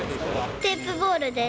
テープボールです。